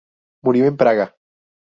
Murió en Praga.